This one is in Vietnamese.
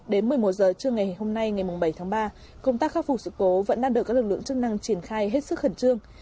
đến một mươi một giờ trưa ngày hôm nay ngày bảy tháng ba công tác khắc phục sự cố vẫn đang được các lực lượng chức năng triển khai hết sức khẩn trương